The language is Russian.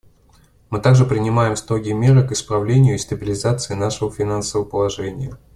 Мы также принимаем строгие меры к исправлению и стабилизации нашего финансового положения.